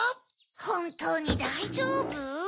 ほんとうにだいじょうぶ？